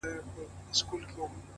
پوهه د پرمختګ نه ختمېدونکې سرچینه ده,